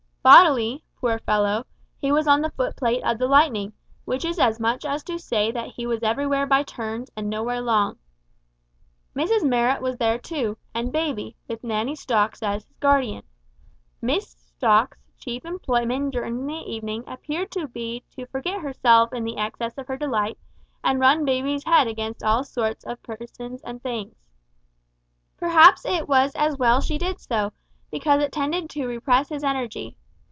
Bodily, poor fellow, he was on the foot plate of the Lightning, which is as much as to say that he was everywhere by turns, and nowhere long. Mrs Marrot was there too, and baby, with Nanny Stocks as his guardian. Miss Stocks's chief employment during the evening appeared to be to forget herself in the excess of her delight, and run baby's head against all sorts of things and persons. Perhaps it was as well she did so, because it tended to repress his energy.